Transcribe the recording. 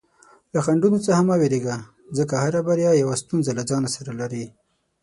له خنډونو څخه مه ویریږه، ځکه هره بریا یوه ستونزه له ځان سره لري.